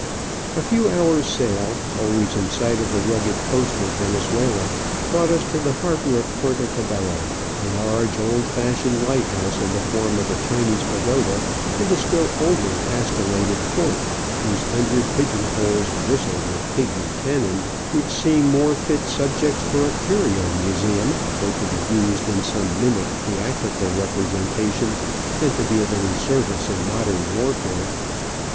A few hours' sail, always in sight of the rugged coast of Venezuela, brought us to the harbour of Puerto Cabello, a large old fashioned lighthouse in the form of a Chinese pagoda, and a still older castellated fort whose hundred pigeon holes bristle with pigmy Digitized by VjOOQIC 30 Travels and Adventures cannon, which seem more fit subjects for a curio museum, or to be used in some mimic theatrical repre sentation, than to be of any service in modern warfare.